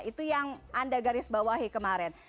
itu yang anda garis bawahi kemarin